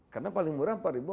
karena paling murah rp empat